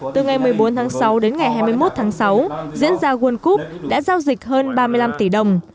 từ ngày một mươi bốn tháng sáu đến ngày hai mươi một tháng sáu diễn ra world cup đã giao dịch hơn ba mươi năm tỷ đồng